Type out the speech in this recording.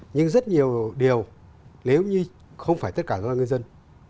nhưng rất nhiều điều nếu như không phải tất cả các ngư dân